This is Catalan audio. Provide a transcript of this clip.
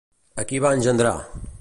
A qui va engendrar?